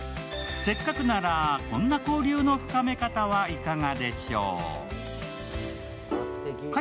せっかくなら、こんな交流深め方はいかがでしょうか。